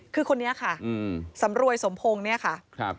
คือคนนี้ค่ะสำรวยสมพงศ์เนี่ยค่ะ